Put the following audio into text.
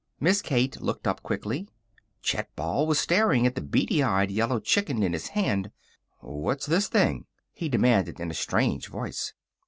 Miss Kate looked up, quickly. Chet Ball was staring at the beady eyed yellow chicken in his hand. "What's this thing?" he demanded in a strange voice.